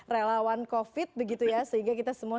relawan covid sehingga kita semua